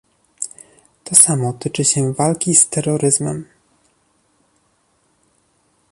To samo tyczy się walki z terroryzmem